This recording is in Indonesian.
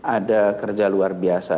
ada kerja luar biasa